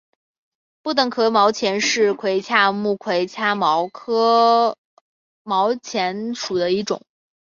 不等壳毛蚶是魁蛤目魁蛤科毛蚶属的一种。